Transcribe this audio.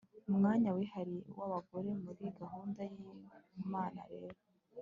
umwanya wihariye wabagore muri gahunda yimana rero